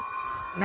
何？